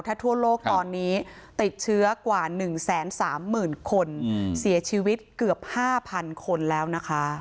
ถ้าทั่วโลกตอนนี้ติดเชื้อกว่า๑๓๐๐๐คนเสียชีวิตเกือบ๕๐๐คนแล้วนะคะ